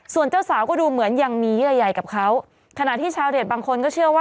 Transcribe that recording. ส่วนเจ้าสาวก็ดูเหมือนยังมีใหญ่ใหญ่กับเขาขณะที่ชาวเน็ตบางคนก็เชื่อว่า